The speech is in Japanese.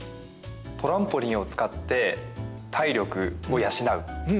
トランポリンを使って体力を養う。